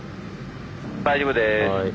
「大丈夫です」。